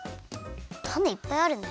たねいっぱいあるね。